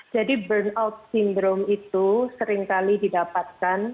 jadi burnout sindrom itu seringkali didapatkan